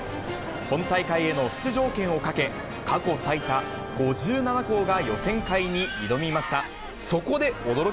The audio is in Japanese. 本大会への出場権をかけ、過去最多５７校が予選会に挑みました。